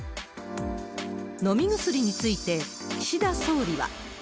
飲み薬について岸田総理は。